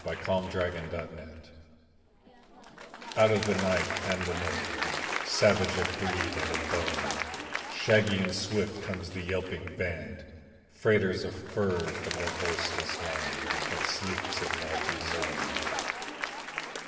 THE TRAIN DOGS Out of the night and the north; Savage of breed and of bone, Shaggy and swift comes the yelping band, Freighters of fur from the voiceless land That sleeps in the Arctic zone.